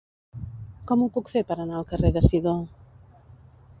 Com ho puc fer per anar al carrer de Sidó?